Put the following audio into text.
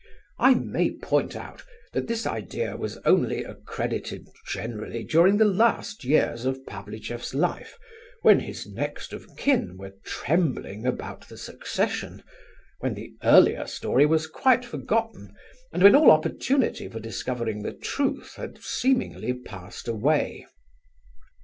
I may point out that this idea was only accredited generally during the last years of Pavlicheff's life, when his next of kin were trembling about the succession, when the earlier story was quite forgotten, and when all opportunity for discovering the truth had seemingly passed away.